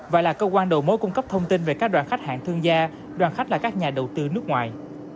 và là cơ quan đầu mối cung cấp thông tin về các đoàn khách hạng thương gia đoàn khách là các nhà đầu tư nước ngoài